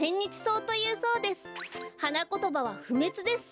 はなことばはふめつです。